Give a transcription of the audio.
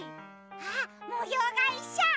あっもようがいっしょ！